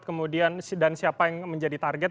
kemudian dan siapa yang menjadi target